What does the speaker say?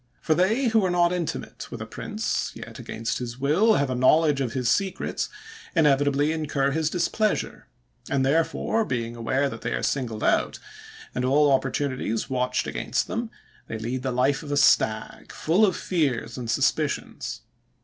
For they who are not intimate with a prince, yet, against his will, have a knowledge of his secrets, inevitably incur his displeasure; and therefore, being aware that they are singled out, and all opportunities watched against them, they lead the life of a stag, full of fears and suspicions.